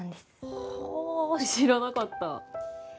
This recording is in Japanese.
はあ知らなかった。